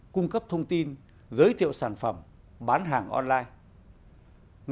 cung cấp thông tin giới thiệu sản phẩm bán hàng online